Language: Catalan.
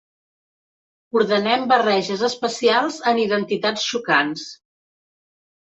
Ordenem barreges especials en identitats xocants.